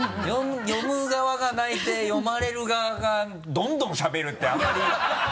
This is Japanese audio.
読む側が泣いて読まれる側がどんどんしゃべるってあんまり。